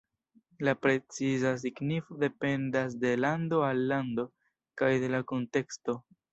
La preciza signifo dependas de lando al lando kaj de la kunteksto.